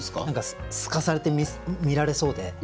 何かすかされて見られそうで。